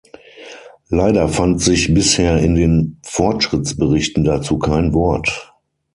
Leider fand sich bisher in den Fortschrittsberichten dazu kein Wort.